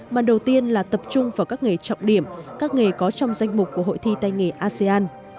mà đầu tiên là tập trung vào các nghề trọng điểm các nghề có trong danh mục của hội thi tay nghề asean